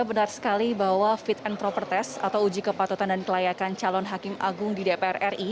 benar sekali bahwa fit and proper test atau uji kepatutan dan kelayakan calon hakim agung di dpr ri